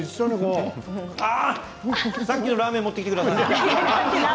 さっきのラーメン持って来てください。